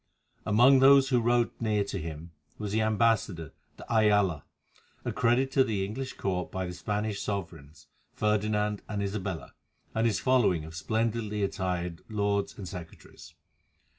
Among those who rode near to him was the ambassador, de Ayala, accredited to the English Court by the Spanish sovereigns, Ferdinand and Isabella, and his following of splendidly attired lords and secretaries.